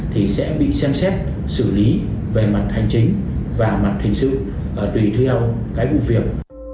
thì sẽ bị xem xét xử lý về mặt hành chính và mặt hình sự tùy theo cái vụ việc